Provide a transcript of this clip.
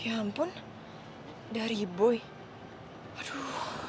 ya ampun dari boy